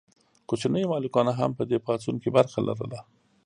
کوچنیو مالکانو هم په دې پاڅون کې برخه لرله.